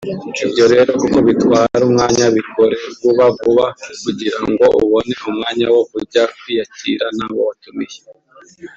Ibyo rero kuko bitwara umwanya bikore vuba vuba kugira ngo ubone umwanya wo kujya kwiyakira n’abo watumiye